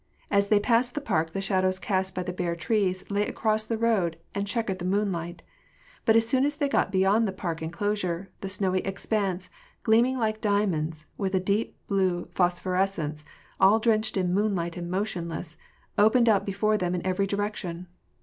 As they passed the park the shadows cast by the bare trees lay across the road and check ered the moonlight ; but as soon as they got beyond the park enclosure, the snowy expanse — gleaming like diamonds, with a deep blue phosphorescence, all drenched in moonlight, and motionless — opened out before them in every direction.